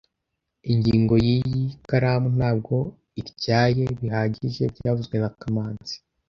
Ingingo yiyi karamu ntabwo ityaye bihagije byavuzwe na kamanzi